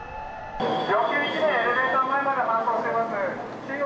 １名、エレベーター前まで搬送しています。